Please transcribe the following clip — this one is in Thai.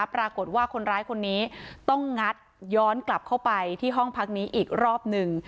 ปรากฏว่าคนร้ายคนนี้ต้องงัดย้อนกลับเข้าไปที่ห้องพักนี้อีกรอบหนึ่ง